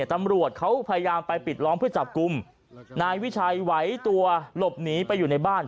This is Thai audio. ตำรวจเขาพยายามไปปิดล้อมเพื่อจับกลุ่มนายวิชัยไหวตัวหลบหนีไปอยู่ในบ้าน